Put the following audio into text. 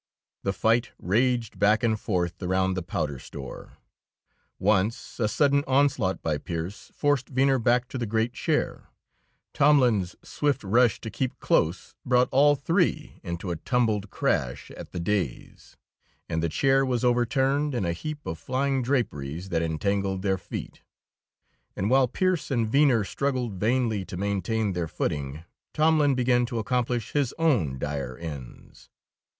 The fight raged back and forth around the powder store; once a sudden onslaught by Pearse forced Venner back to the great chair; Tomlin's swift rush to keep close brought all three into a tumbled crash at the dais, and the chair was overturned in a heap of flying draperies that entangled their feet. And while Pearse and Venner struggled vainly to maintain their footing, Tomlin began to accomplish his own dire ends.